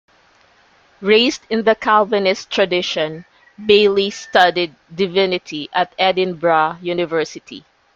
Raised in the Calvinist tradition, Baillie studied Divinity at Edinburgh University.